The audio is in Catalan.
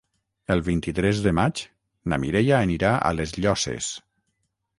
El vint-i-tres de maig na Mireia anirà a les Llosses.